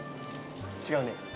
違うね。